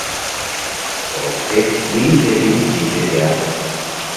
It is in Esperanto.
Poste li retiriĝis de teatro.